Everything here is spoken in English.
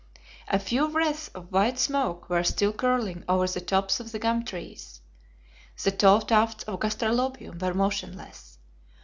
A few wreaths of white smoke were still curling over the tops of the gum trees. The tall tufts of gastrolobium were motionless.